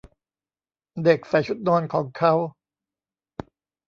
เด็กใส่ชุดนอนของเค้า